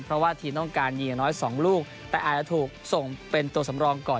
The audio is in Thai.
เพราะว่าทีมต้องการยิงอย่างน้อย๒ลูกแต่อาจจะถูกส่งเป็นตัวสำรองก่อน